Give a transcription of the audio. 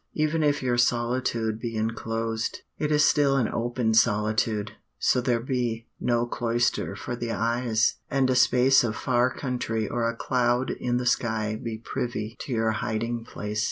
Even if your solitude be enclosed, it is still an open solitude, so there be "no cloister for the eyes," and a space of far country or a cloud in the sky be privy to your hiding place.